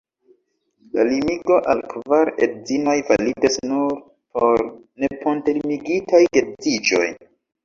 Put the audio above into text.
La limigo al kvar edzinoj validas nur por netempolimigitaj geedziĝoj.